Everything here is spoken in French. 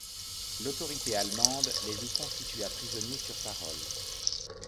L'Autorité allemande les y constitua prisonniers sur parole.